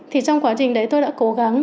thì trong quá trình đấy tôi đã cố gắng